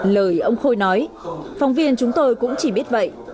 lời ông khôi nói phóng viên chúng tôi cũng chỉ biết vậy